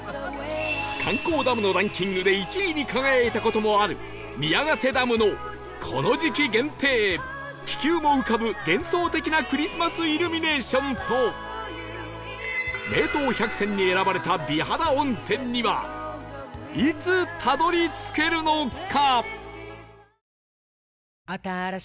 観光ダムのランキングで１位に輝いた事もある宮ヶ瀬ダムのこの時期限定気球も浮かぶ幻想的なクリスマスイルミネーションと名湯百選に選ばれた美肌温泉にはいつたどり着けるのか？